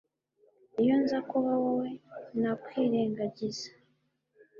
Iyo nza kuba wowe nakwirengagiza